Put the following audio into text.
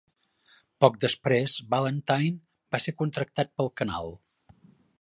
Poc després, Valentine va ser contractat pel canal.